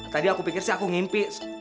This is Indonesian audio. tadi aku pikir sih aku ngimpi